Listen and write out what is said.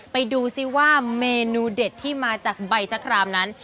ไปดูซิว่าเมนูเด็ดที่มาจากใบชะครามนั้น